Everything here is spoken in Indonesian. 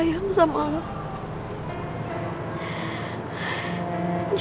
kyak bisa denger